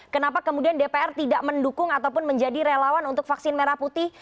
kenapa kemudian dpr tidak mendukung ataupun menjadi relawan untuk vaksin merah putih